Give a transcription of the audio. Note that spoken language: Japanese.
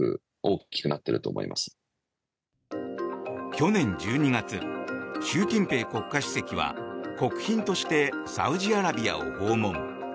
去年１２月、習近平国家主席は国賓としてサウジアラビアを訪問。